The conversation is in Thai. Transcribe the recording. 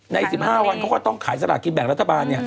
ใน๑๕วันเขาก็ต้องขายสลากกินแบ่งรัฐบาล